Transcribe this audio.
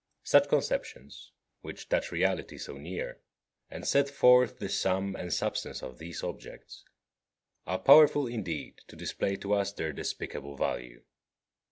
Such conceptions, which touch reality so near, and set forth the sum and substance of these objects, are powerful indeed to display to us their despicable value.